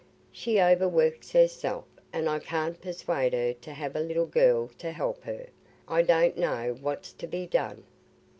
She overworks herself, and I can't persuade her to have a little girl t' help her. I don't know what's to be done."